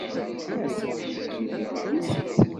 Yerbeḥ, ad iliɣ din.